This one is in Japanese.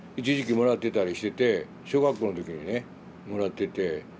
一時期もらってたりしてて小学校の時にねもらってて。